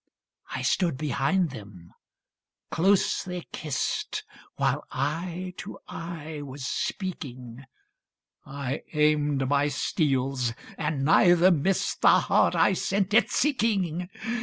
I stood behind them. Close they kissed, While eye to eye was speaking; I aimed my steels, and neither missed The heart I sent it seeking.